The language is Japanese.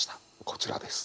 こちらです。